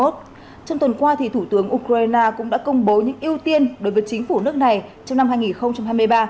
trong tuần qua thủ tướng ukraine cũng đã công bố những ưu tiên đối với chính phủ nước này trong năm hai nghìn hai mươi ba